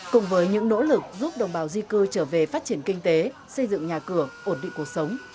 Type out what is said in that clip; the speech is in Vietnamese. cùng với những nỗ lực giúp đồng bào di cư trở về phát triển kinh tế xây dựng nhà cửa ổn định cuộc sống